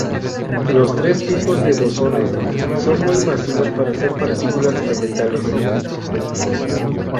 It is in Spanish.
Los tres tipos de bosones son muy masivos para ser partículas elementales.